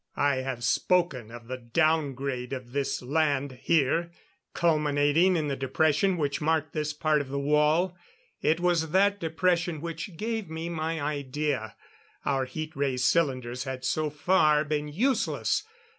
I have spoken of the down grade of this land here, culminating in the depression which marked this part of the wall. It was that depression which gave me my idea. Our heat ray cylinders had so far been useless.